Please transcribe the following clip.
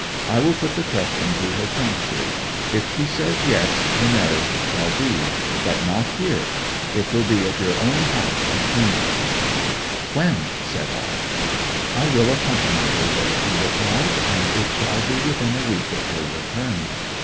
I will put the question to her frankly; if she says yes, the marriage shall be. But not here. It shall be at your own house in England.' 'When?' said I. 'I will accompany her there,' he replied, 'and it shall be within a week of her return.